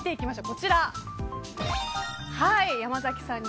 こちら。